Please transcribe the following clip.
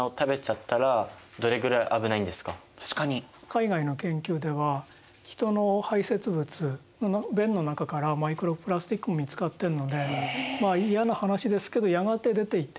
海外の研究では人の排せつ物便の中からマイクロプラスチックが見つかってるので嫌な話ですけどやがて出ていってしまうもの。